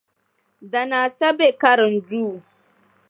Danaa sa be karinduu.